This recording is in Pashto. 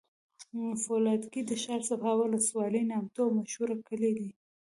فولادګی د ښارصفا ولسوالی نامتو او مشهوره کلي دی